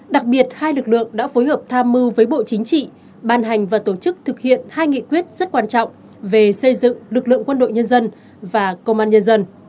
đặc biệt hai lực lượng đã phối hợp tham mưu với bộ chính trị ban hành và tổ chức thực hiện hai nghị quyết rất quan trọng về xây dựng lực lượng quân đội nhân dân và công an nhân dân